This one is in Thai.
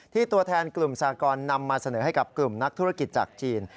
ตัวแทนกลุ่มสากรนำมาเสนอให้กับกลุ่มนักธุรกิจจากจีน